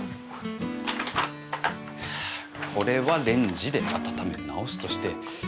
これはレンジで温め直すとして。